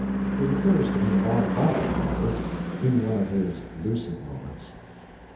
It occurs to him by and by, however, in one of his lucid moments.